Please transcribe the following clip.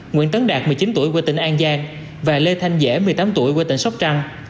nguyễn tấn đạt một mươi chín tuổi quê tỉnh an giang và lê thanh dễ một mươi tám tuổi quê tỉnh sóc trăng